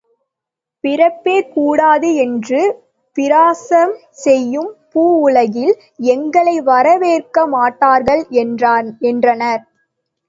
பிறப்பே கூடாது என்று பிரசாரம் செய்யும் பூவுலகில் எங்களை வரவேற்கமாட்டார்கள் என்றனர்.